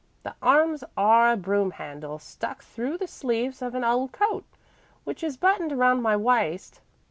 The arms are a broom handle, stuck through the sleeves of this old coat, which is buttoned around my waist."